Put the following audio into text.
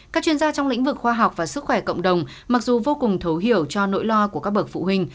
các chuyên gia trong lĩnh vực khoa học và sức khỏe cộng đồng mặc dù vô cùng thấu hiểu cho nỗi lo của các bậc phụ huynh